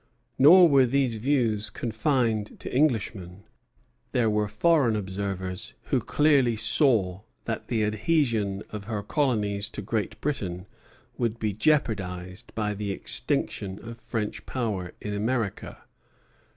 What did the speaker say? Nor were these views confined to Englishmen. There were foreign observers who clearly saw that the adhesion of her colonies to Great Britain would be jeopardized by the extinction of French power in America.